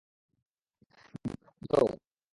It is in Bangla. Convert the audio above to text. ব্যাকআপ আছে তো!